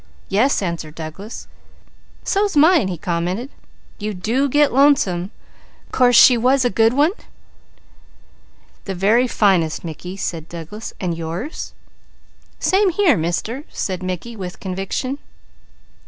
"Yes," answered Douglas. "So's mine!" he commented. "You do get lonesome! Course she was a good one?" "The very finest, Mickey," said Douglas. "And yours?" "Same here, Mister," said Mickey with conviction.